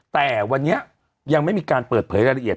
แต่วันนี้ยังไม่มีการเปิดเผยรายละเอียด